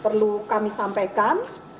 perlu kami sampaikan